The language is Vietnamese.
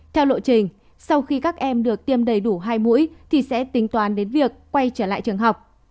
theo lộ trình sau khi các em được tiêm đầy đủ hai mũi thì sẽ tính toán đến việc quay trở lại trường học